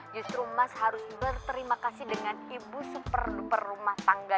justru mas harus berterima kasih dengan ibu seperluper rumah tangga